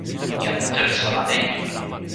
jan mute li sona e ni: